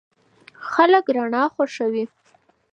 خلک رڼا خوښوي.